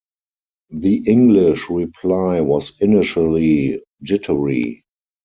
The English reply was initially jittery.